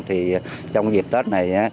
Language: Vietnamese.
thì trong dịp tết này